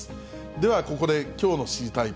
では、ここできょうの知りたいッ！